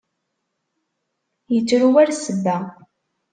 Yettru war ssebba.